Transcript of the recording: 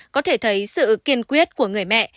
có thể thấy sự kiên quyết của người mẹ